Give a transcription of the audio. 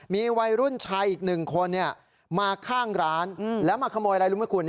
มีวัยรุ่นชายอีกหนึ่งคนมาข้างร้านแล้วมาขโมยอะไรรู้ไหมคุณ